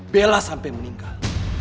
bella sampai meninggal